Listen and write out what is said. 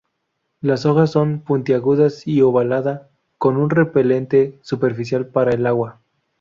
Las hojas son puntiagudas y ovalada, con un repelente superficial para el agua.